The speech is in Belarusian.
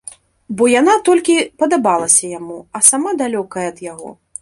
Бо яна толькі падабалася яму, а сама далёкая ад яго.